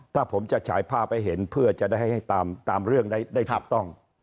ถ้าผมจะฉายภาพให้เห็นเพื่อจะได้ให้ตามเรื่องได้ถูกต้อง